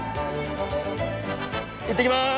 行ってきます。